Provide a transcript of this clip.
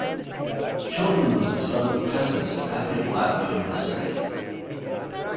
Tilton was the son of peasants of ethnic Latvian descent.